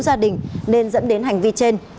gia đình nên dẫn đến hành vi trên